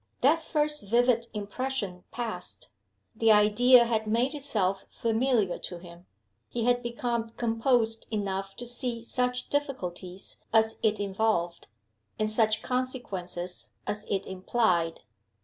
That first vivid impression past, the idea had made itself familiar to him. He had become composed enough to see such difficulties as it involved, and such consequences as it implied.